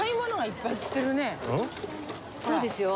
そうですよ。